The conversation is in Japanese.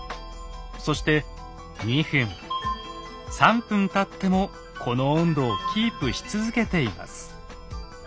そして２分３分たってもこの温度をキープし続けています。